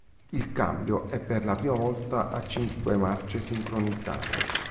Il cambio è per la prima volta a cinque marce sincronizzate.